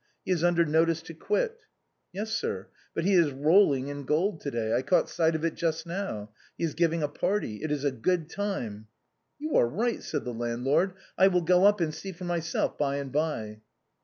He is under notice to quit." "Yes, sir. But he is rolling in gold to day. I caught sight of it just now. He is giving a party. It is a good time "" You are right,'^ said the landlord ;" I will go up and see for myself by and by."